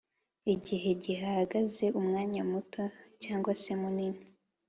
igihe gihagaze Umwanya muto cg se munini